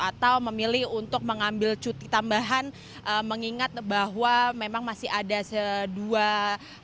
atau memilih untuk mengambil cuti tambahan mengingat bahwa memang masih ada dua